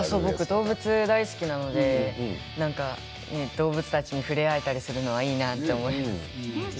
動物が大好きなので動物たちに触れ合えたりするのはいいなと思います。